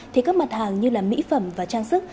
thì các mặt hàng như mỹ phẩm và trang sức